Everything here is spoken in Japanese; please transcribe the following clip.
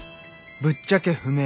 「ぶっちゃけ不明」。